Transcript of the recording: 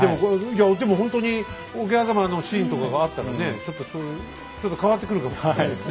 でもほんとに桶狭間のシーンとかがあったらねちょっと変わってくるかもしれないですね。